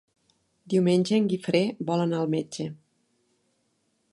Diumenge en Guifré vol anar al metge.